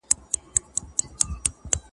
د کورونو دروازې تړلې دي او فضا سړه ښکاري-